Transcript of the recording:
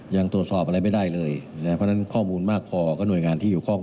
ยังตรวจสอบอะไรไม่ได้เลยนะเพราะฉะนั้นข้อมูลมากพอก็หน่วยงานที่เกี่ยวข้อง